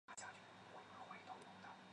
长花蒲桃是桃金娘科蒲桃属的植物。